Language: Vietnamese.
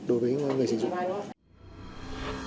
đối với người sử dụng